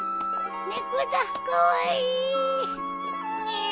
猫だカワイイ。